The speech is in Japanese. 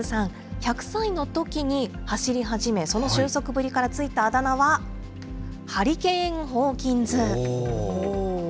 １００歳のときに走り始め、その俊足ぶりから付いたあだ名は、ハリケーン・ホーキンズ。